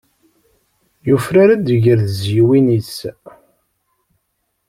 Yufrar-d ger tizzyiwin-is.